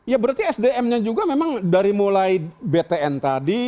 ya berarti sdm nya juga memang dari mulai btn tadi